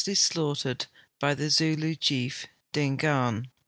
y slaughtered by the Zulu chief, Dingaan.